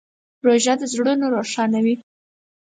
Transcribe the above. روژه د زړونو روښانوي.